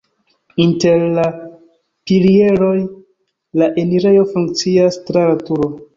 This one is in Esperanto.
Inter la pilieroj la enirejo funkcias tra la turo.